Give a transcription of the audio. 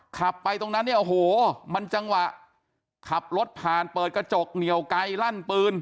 ขับไปตรงนั้นเนี่ยโอ้โหมันจังหวะขับรถผ่านเปิดกระจกเหนียวไกลลั่นปืน